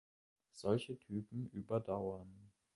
Solche Typen überdauern.